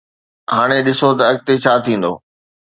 هاڻي ڏسون ته اڳتي ڇا ٿيندو